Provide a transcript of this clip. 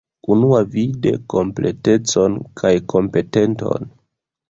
Unuavide kompletecon kaj kompetenton.